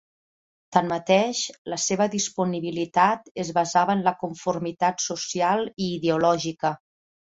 Tanmateix, la seva disponibilitat es basava en la conformitat social i ideològica.